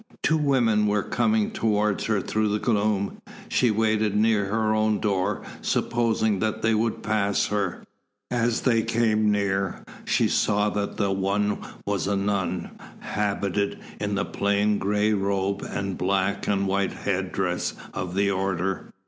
Two women were coming towards her through the gloom. She waited near her own door, supposing that they would pass her. As they came near, she saw that the one was a nun, habited in the plain gray robe and black and white head dress of the order.